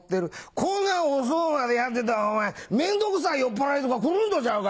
「こんな遅うまでやってたらお前面倒くさい酔っぱらいとか来るんとちゃうか？」。